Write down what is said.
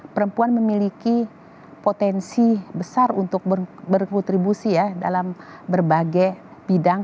perempuan memiliki potensi besar untuk berkontribusi ya dalam berbagai bidang